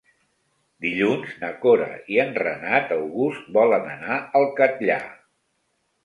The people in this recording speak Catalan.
Dilluns na Cora i en Renat August volen anar al Catllar.